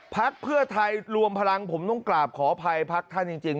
พักเพื่อไทยรวมพลังผมต้องกราบขออภัยพักท่านจริง